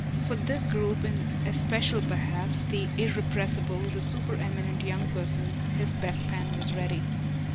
For this group in especial perhaps the irrepressible, the supereminent young persons his best pen was ready.